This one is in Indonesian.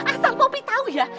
asal popi tau ya